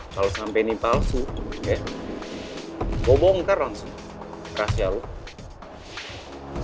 kalau sampai ini palsu ya gue bongkar langsung rahasia lo